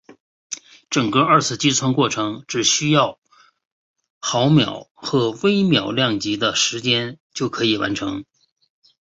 整个二次击穿过程只需要毫秒或微秒量级的时间就可以完成。